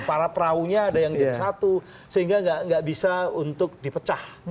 para perahunya ada yang jadi satu sehingga nggak bisa untuk dipecah